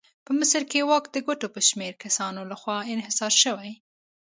په مصر کې واک د ګوتو په شمار کسانو لخوا انحصار شوی.